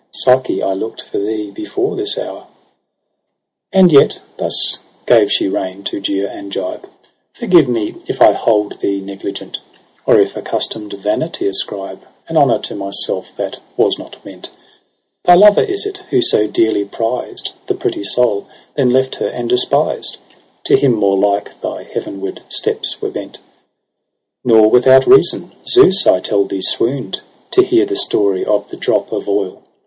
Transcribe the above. Psyche ; I lookt for thee before this hour. \ ]6 EROS ^ PSYCHE 21 ' And yet,' thus gave she rein to jeer and gibe, ' Forgive me if I held thee negligent. Or if accustom'd vanity ascribe An honour to myself that was not meant. Thy lover is it, who so dearly prized The pretty soul, then left her and despised ? To him more like thy heavenward steps were bent :' Nor without reason : Zeus, I tell thee, swoon'd To hear the story of the drop of oil.